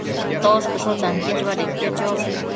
Toshcasho tantiash badedquio chosh